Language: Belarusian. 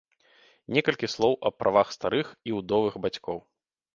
Некалькі слоў аб правах старых і ўдовых бацькоў.